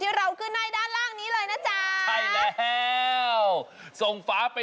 ที่ได้มอเตอร์ไซค์อีกคำต่อไป